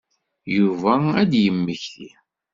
Yuba ad d-yemmekti.